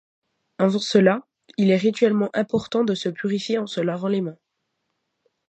Avant cela, il est rituellement important de se purifier en se lavant les mains.